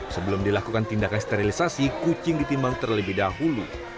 sebelum dilakukan tindakan sterilisasi kucing ditimbang terlebih dahulu